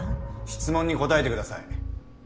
質問に答えてください。